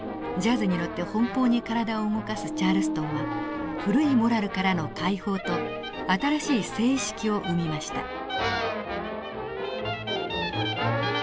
ジャズに乗って奔放に体を動かすチャールストンは古いモラルからの解放と新しい性意識を生みました。